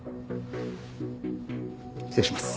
失礼します。